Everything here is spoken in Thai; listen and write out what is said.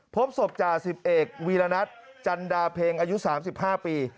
พบศพจ่าสิบเอกวีรณัทจันดาเพ็งอายุ๓๕ปี